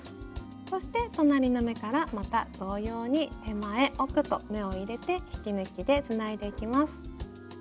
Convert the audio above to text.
そして隣の目からまた同様に手前奥と目を入れて引き抜きでつないでいきます。